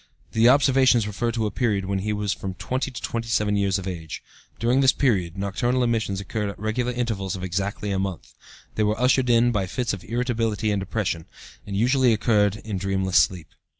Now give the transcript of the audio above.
The observations refer to a period when he was from 20 to 27 years of age. During this period, nocturnal emissions occurred at regular intervals of exactly a month. They were ushered in by fits of irritability and depression, and usually occurred in dreamless sleep.